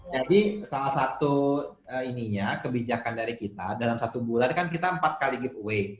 jadi salah satu kebijakan dari kita dalam satu bulan kan kita empat kali giveaway